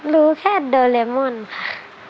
รู้แค่โดเรมอนค่ะ